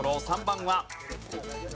３番は。